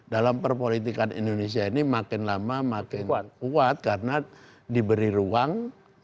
dalam perpolitikan indonesia ini makin lama makin kuat karena diberi ruang